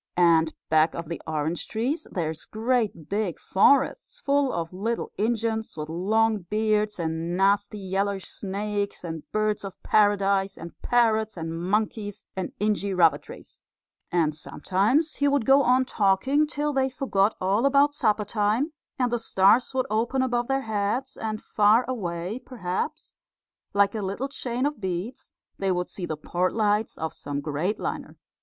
And back of the orange trees there's great big forests, full of little Injuns with long beards, and nasty yeller snakes, and birds of paradise, and parrots and monkeys and inji rubber trees," and sometimes he would go on talking till they forgot all about supper time, and the stars would open above their heads, and far away, perhaps, like a little chain of beads, they would see the port lights of some great liner.